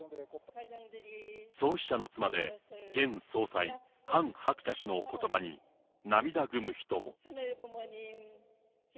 創始者の妻で現総裁、ハン・ハクチャ氏のことばに涙ぐむ人も。